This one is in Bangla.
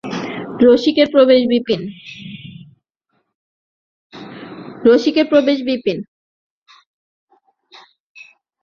রসিকের প্রবেশ বিপিন।